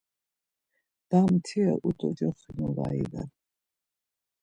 Damtire udocoxinu var iven.